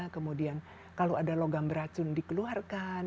kemudian kalau ada logam beracun dikeluarkan